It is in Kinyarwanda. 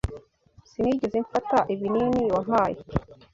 Sinigeze mfata ibinini wampaye.